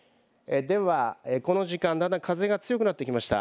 この時間まだ風が強くなってきました。